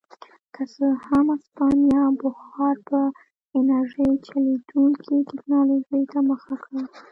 که څه هم هسپانیا بخار په انرژۍ چلېدونکې ټکنالوژۍ ته مخه کړه.